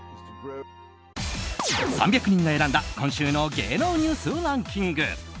３００人が選んだ今週の芸能ニュースランキング。